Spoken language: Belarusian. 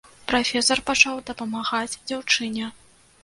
Прафесар пачаў дапамагаць дзяўчыне.